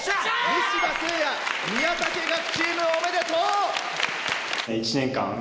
西田誠也・宮武岳チームおめでとう！